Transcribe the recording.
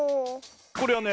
これはね